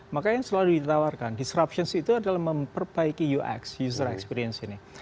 maka yang selalu ditawarkan disruption itu adalah memperbaiki ux user experience ini